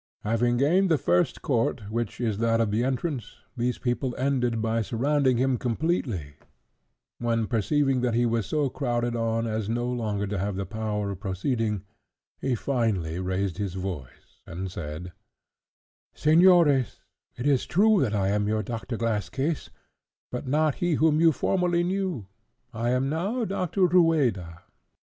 Having gained the first court, which is that of the entrance, these people ended by surrounding him completely; when, perceiving that he was so crowded on as no longer to have the power of proceeding, he finally raised his voice, and said— "Señores, it is true that I am Doctor Glass case, but not he whom you formerly knew. I am now Doctor Rueda.